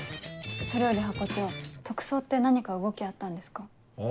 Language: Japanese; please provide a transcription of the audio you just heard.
それよりハコ長特捜って何か動きあったんですか？